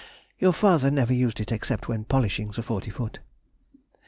Your father never used it except when polishing the forty foot....